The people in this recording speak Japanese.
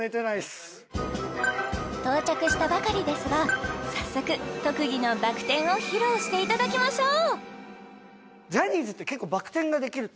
到着したばかりですが早速特技のバク転を披露していただきましょう